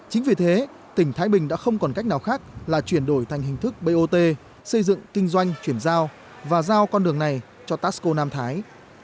chính vì thế tỉnh thái bình đã không còn cách nào khác là chuyển đổi thành hình thức bot xây dựng kinh doanh chuyển giao và giao con đường này cho tasco nam thái